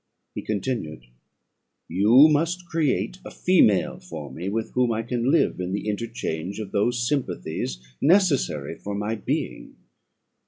He continued "You must create a female for me, with whom I can live in the interchange of those sympathies necessary for my being.